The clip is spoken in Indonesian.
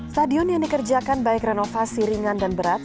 stadion yang dikerjakan baik renovasi ringan dan berat